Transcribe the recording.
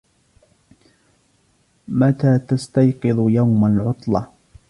متى تستيقظ يوم العطلة؟